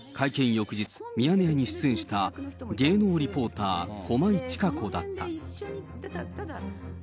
翌日、ミヤネ屋に出演した、芸能リポーター、駒井千佳子だった。